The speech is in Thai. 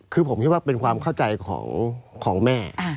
คือผมคิดว่าเป็นความเข้าใจของแม่